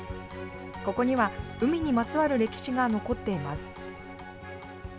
ここには海にまつわる歴史が残っています。